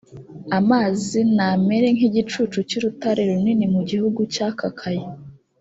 amazi n amere nk igicucu cy urutare runini mu gihugu cyakakaye